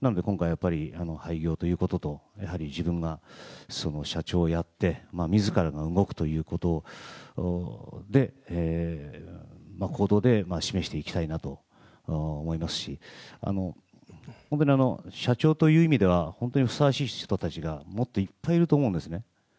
なので今回、廃業ということと、やはり自分が社長をやって自らが動くということで行動で示していきたいなと思いますし、社長という意味で本当にふさわしい人たちがもっといっぱいいると思うんですね。